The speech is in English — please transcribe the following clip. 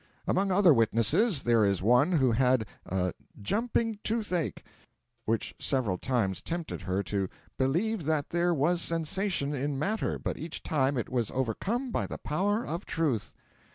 Among other witnesses, there is one who had a 'jumping toothache,' which several times tempted her to 'believe that there was sensation in matter, but each time it was overcome by the power of Truth.'